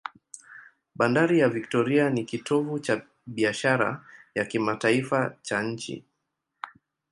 Bandari ya Victoria ni kitovu cha biashara ya kimataifa cha nchi.